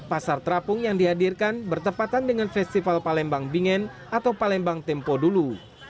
pasar terapung yang dihadirkan bertepatan dengan festival palembang bingen atau palembang tempo dulu